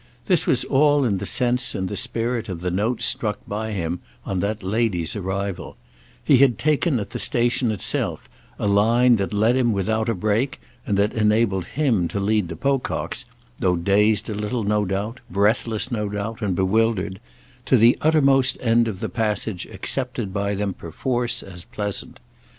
This was all in the sense and the spirit of the note struck by him on that lady's arrival; he had taken at the station itself a line that led him without a break, and that enabled him to lead the Pococks—though dazed a little, no doubt, breathless, no doubt, and bewildered—to the uttermost end of the passage accepted by them perforce as pleasant.